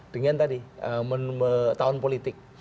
dengan tadi tahun politik